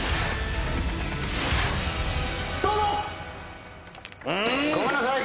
どうぞ！ごめんなさい。